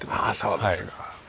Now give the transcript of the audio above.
そうですか。